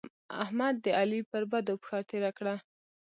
احمد؛ د علي پر بدو پښه تېره کړه.